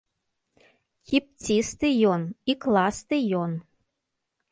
Кіпцісты ён, ікласты ён!